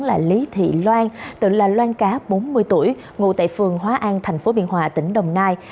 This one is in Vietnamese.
là lý thị loan tự là loan cá bốn mươi tuổi ngụ tại phường hóa an tp biên hòa tỉnh đồng nai